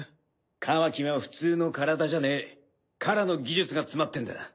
カワキは普通の体じゃねえ殻の技術が詰まってんだ。